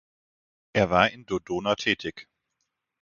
Er war in Dodona tätig.